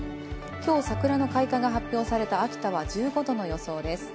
今日、桜の開花が発表された秋田は１５度の予想です。